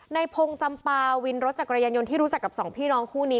ในพงศ์จำปาวินรถจักรยานยนต์ที่รู้จักกับสองพี่น้องคู่นี้